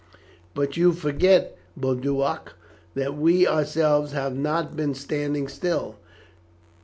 "But you forget, Boduoc, that we ourselves have not been standing still.